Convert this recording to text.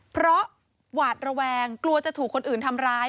เพราะหวาดระแวงกลัวจะถูกคนอื่นทำร้าย